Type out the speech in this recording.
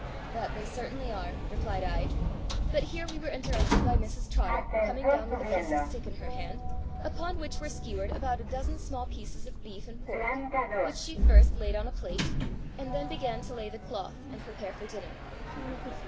"That they certainly are," replied I; but here we were interrupted by Mrs Trotter coming down with a piece of stick in her hand, upon which were skewered about a dozen small pieces of beef and pork, which she first laid on a plate, and then began to lay the cloth, and prepare for dinner.